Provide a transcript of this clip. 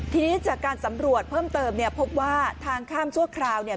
ทีนี้จากการสำรวจเพิ่มเติมเนี่ยพบว่าทางข้ามชั่วคราวเนี่ย